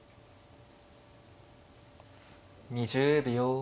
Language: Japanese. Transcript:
２０秒。